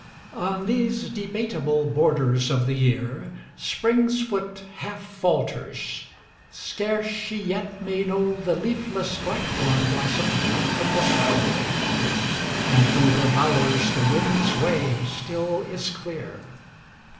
On these debateable* borders of the year Spring's foot half falters; scarce she yet may know The leafless blackthorn blossom from the snow; And through her bowers the wind's way still is clear.